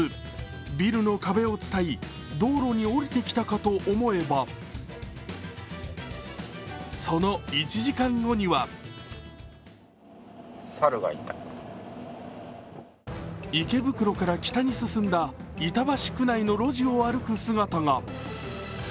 ビルの壁をつたい、道路に下りてきたかと思えば、その１時間後には池袋から北に進んだ板橋区内の路地を歩く姿が。